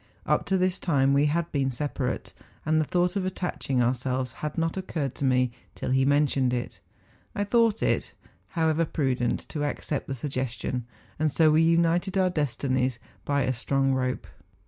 Up to this time we had been separate, and the thought of attaching ourselves had not occurred to me till he THE FINSTERAARHORX. 47 mentioned it. I thought it, liowever, prudent to accept the suggestion; and so we united our destinies hy a strong rope.